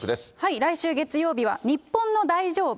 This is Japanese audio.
来週月曜日はニッポンの大丈夫？